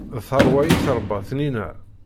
D tarwa i trebba tninna.